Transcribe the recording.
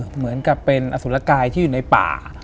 เหมือนกับเป็นอสุรกายที่อยู่ในป่า